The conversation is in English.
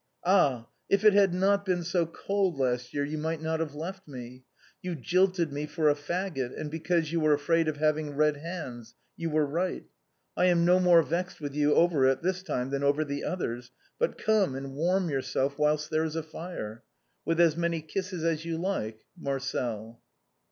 Ah ! if it had not been so cold last year you might not have left me. You jilted me for a faggot and because you were afraid of having red hands ; you were right. I am no more vexed with you over it this time than over the others, but come and warm your self whilst there is a fire. With as many kisses as you like, " Marcel."